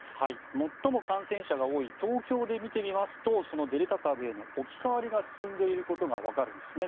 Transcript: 最も感染者が多い東京で見てみますとそのデルタ株への置き換わりが進んでいることがわかるんです。